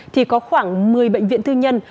thì có khoảng một mươi bệnh viện tư nhân